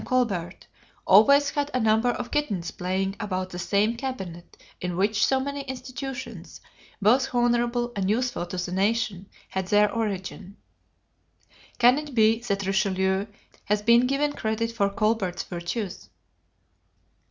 Colbert, always had a number of kittens playing about that same cabinet in which so many institutions, both honorable and useful to the nation, had their origin." Can it be that Richelieu has been given credit for Colbert's virtues?